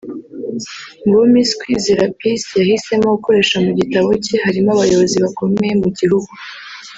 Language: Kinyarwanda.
Mu bo Miss Kwizera Peace yahisemo gukoresha mu gitabo cye harimo abayobozi bakomeye mu gihugu